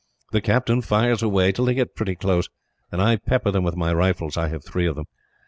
The captain fires away, till they get pretty close; and I pepper them with my rifles I have three of them.